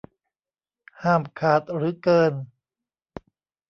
ห้ามขาดหรือเกิน